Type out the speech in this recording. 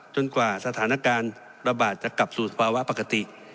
กว่าสถานการณ์ระบาดจะกลับสู่สภาวะปกติ